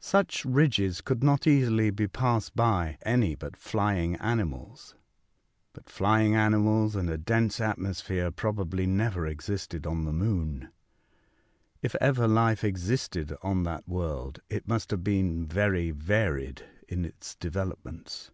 Such ridges could not easily be passed by any but flying animals ; but flying animals and a dense atmo sphere probably never existed on the moon. If ever life existed on that world, it must have been very varied in its developments.